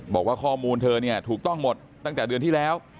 บอกว่าข้อมูลเธอเนี่ยถูกต้องหมดตั้งแต่เดือนที่แล้ว